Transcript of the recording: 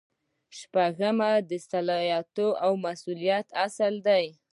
شپږم د صلاحیت او مسؤلیت اصل دی.